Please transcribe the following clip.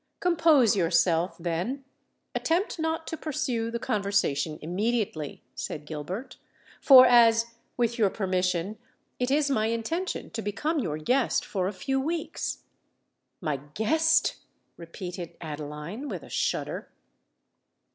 "Compose yourself, then: attempt not to pursue the conversation immediately," said Gilbert; "for as—with your permission—it is my intention to become your guest for a few weeks——" "My guest!" repeated Adeline, with a shudder.